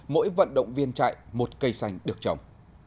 mỗi vận động viên chạy một cây xanh được trồng